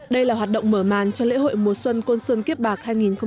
đây là hoạt động mở màn cho lễ hội mùa xuân côn sơn kiếp bạc hai nghìn hai mươi bốn